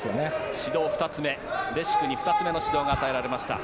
指導２つ目レシュクに２つ目の指導が与えられました。